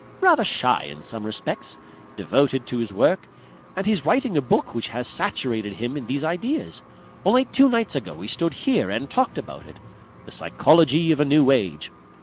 "Rather shy in some respects. Devoted to his work. And he's writing a book which has saturated him in these ideas. Only two nights ago we stood here and talked about it. The Psychology of a New Age.